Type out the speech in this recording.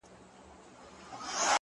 • چي ته بېلېږې له خپل كوره څخه؛